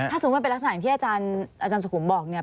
ถ้าสมมติเป็นลักษณะที่อาจารย์สกุมบอกเนี่ย